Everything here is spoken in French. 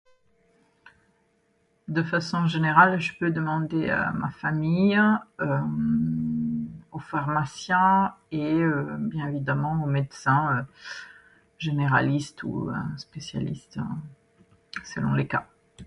De façon générale je peux demander à ma famille, au pharmacien et bien évidemment au médecin généraliste ou spécialiste selon les cas.